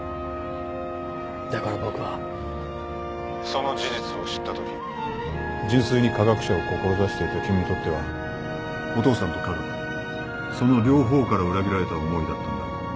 その事実を知ったとき純粋に科学者を志していた君にとってはお父さんと科学その両方から裏切られた思いだったんだろう。